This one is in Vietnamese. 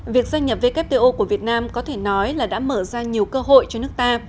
việc gia nhập wto của việt nam có thể nói là đã mở ra nhiều cơ hội cho nước ta